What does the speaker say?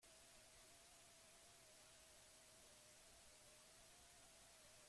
Gehien dituen bigarren errepublika sobietar ohia da.